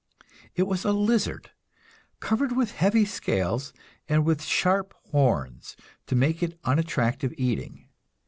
It was a lizard, covered with heavy scales, and with sharp horns to make it unattractive eating.